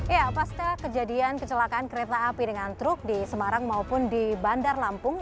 ya pasca kejadian kecelakaan kereta api dengan truk di semarang maupun di bandar lampung